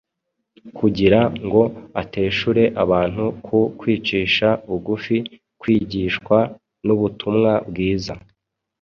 kugira ngo ateshure abantu ku kwicisha bugufi kwigishwa n’ubutumwa bwiza